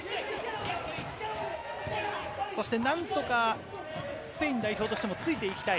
そして何とかスペイン代表としてもついていきたい、